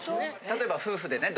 例えば夫婦でね